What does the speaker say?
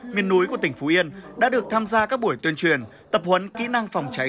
miền núi của tỉnh phú yên đã được tham gia các buổi tuyên truyền tập huấn kỹ năng phòng cháy